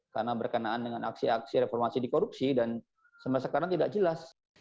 karena berkenaan dengan aksi aksi reformasi di korupsi dan semasa sekarang tidak jelas